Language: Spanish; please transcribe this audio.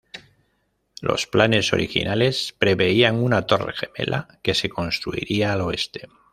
Los planes originales preveían una torre gemela que se construiría al oeste.